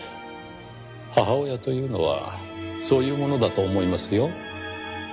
母親というのはそういうものだと思いますよ。